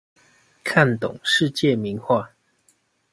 看懂世界名畫